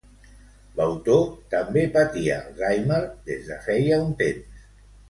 L'autor també patia alzheimer des de feia un temps.